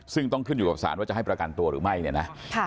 ซึ่งต้องขึ้นอยู่กับสารว่าจะให้ประกันตัวหรือไม่เนี่ยนะ